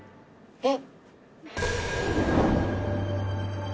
えっ。